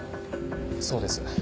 そうです。